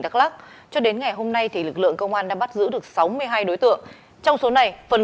đắk lắc cho đến ngày hôm nay lực lượng công an đã bắt giữ được sáu mươi hai đối tượng trong số này phần